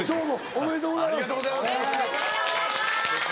おめでとうございます！